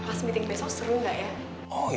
pas meeting besok seru gak ya